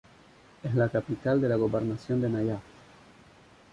Es la capital de la gobernación de Nayaf.